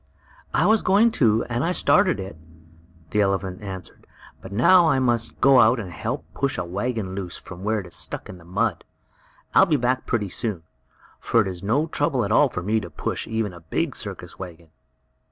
"I was going to, and I started it," the elephant answered, "but now I must go out and help push a wagon loose from where it is stuck in the mud. I'll be back pretty soon, for it is no trouble at all for me to push even a big circus wagon."